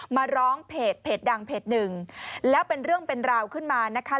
มาร้องเพจดังเพจหนึ่งแล้วเป็นเรื่องเป็นราวขึ้นมานะคะ